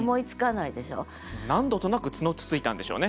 何度となく角をつついたんでしょうね。